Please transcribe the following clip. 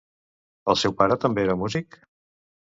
El seu pare també era músic?